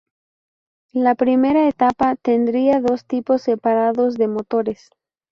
La primera etapa tendría dos tipos separados de motores.